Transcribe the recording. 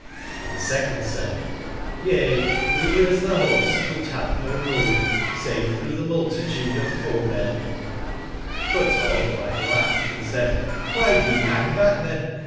"j(^Hnd tbe second said: YcatWewere as tbe bostwbich hath no road save through tbe multitude of foemen j^ But Hall blithe laughed <& said : ''^by do ye bang back, tben